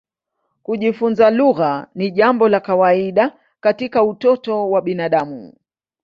Kujifunza lugha ni jambo la kawaida katika utoto wa binadamu.